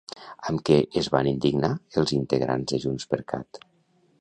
Amb què es van indignar els integrants de JxCat?